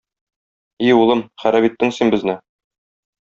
И улым, харап иттең син безне.